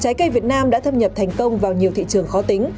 trái cây việt nam đã thâm nhập thành công vào nhiều thị trường khó tính